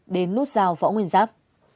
đến nút giao phó nguyên giáp